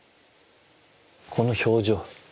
この表情。